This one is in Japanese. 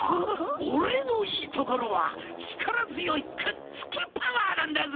オレのいいところはちからづよいくっつきパワーなんだぜ！